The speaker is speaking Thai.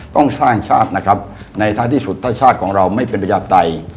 ต้องสร้างชาตินะครับในท้ายที่สุดถ้าชาติของเราไม่เป็นประชาปไตย